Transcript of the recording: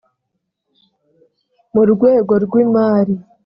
mu rwego rwimari